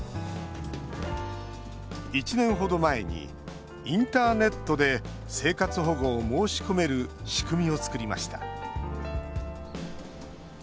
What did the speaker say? １年ほど前にインターネットで生活保護を申し込める仕組みを作りました。